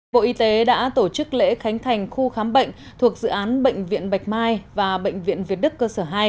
bộ y tế đã tổ chức lễ khánh thành khu khám bệnh thuộc dự án bệnh viện bạch mai và bệnh viện việt đức cơ sở hai